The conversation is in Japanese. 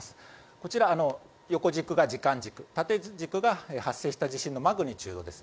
こちら、横軸が時間軸縦軸が発生した地震のマグニチュードです。